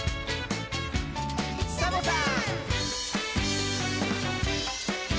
サボさん！